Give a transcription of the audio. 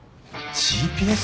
ＧＰＳ？